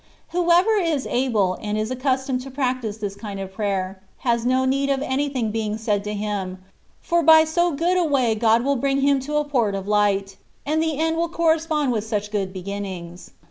Whoever is able, and is accustomed to practise this kind of prayer, has no need of anything being said to him, for by so good a way God will bring him to a port* of light, and the end will correspond with such good beginnings.